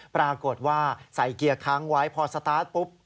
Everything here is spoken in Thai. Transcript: ปรากฏว่าใส่เกียร์ค้างไว้พอสตาร์ทปุ๊บ